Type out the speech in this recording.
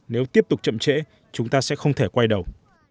nếu tiếp tục chậm trễ chúng ta sẽ không thể quay đầu